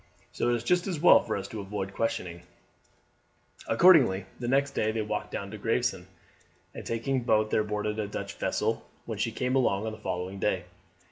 So it is just as well for us to avoid questioning." Accordingly the next day they walked down to Gravesend, and taking boat there boarded the Dutch vessel when she came along on the following day.